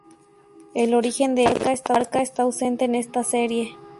El origen del Arca está ausente en esta serie.